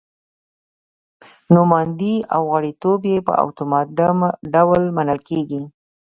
نوماندي او غړیتوب یې په اتومات ډول منل کېږي.